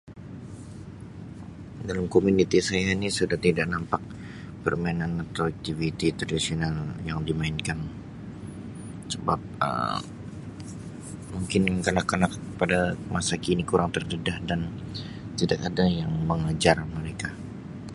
Dalam komuniti saya ni sudah tidak nampak permainan atau aktiviti tradisional yang dimainkan sebab Um mungkin kanak-kanak pada masa kini kurang terdedah dan tidak ada yang mengajar mereka.